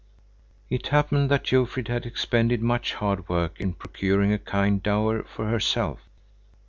It happened that Jofrid had expended much hard work in procuring a kind of dower for herself.